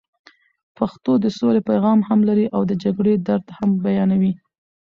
پښتو د سولې پیغام هم لري او د جګړې درد هم بیانوي.